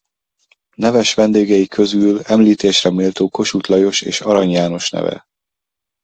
Neves vendégei közül említésre méltó Kossuth Lajos és Arany János neve.